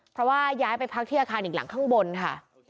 เพราะว่าย้ายไปพักที่อาคารอีกหลังข้างบนค่ะ